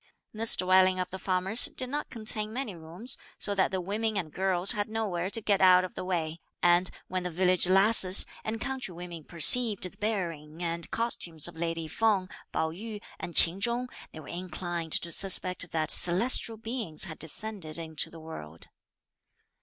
This dwelling of the farmer's did not contain many rooms so that the women and girls had nowhere to get out of the way; and when the village lasses and country women perceived the bearing and costumes of lady Feng, Pao yü, and Ch'in Chung, they were inclined to suspect that celestial beings had descended into the world.